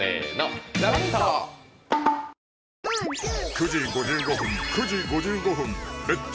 ９時５５分９時５５分「レッツ！